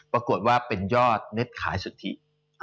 ปรากฏว่าเป็นยอดเน็ตขายสุทธิ